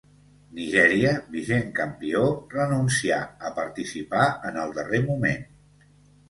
Nigèria, vigent campió, renuncià a participar en el darrer moment.